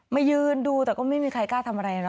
ยืนดูแต่ก็ไม่มีใครกล้าทำอะไรนะ